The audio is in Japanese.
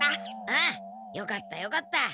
ああよかったよかった。